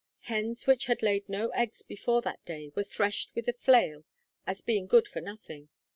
Hens which had laid no eggs before that day were threshed with a flail, as being good for nothing.